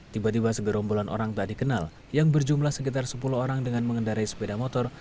tiba tiba segerombolan orang tak dikenal yang berjumlah sekitar sepuluh orang dengan mengendarai sepeda motor